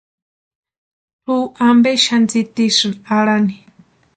Tʼu ampe sáni tsitisïni arhani.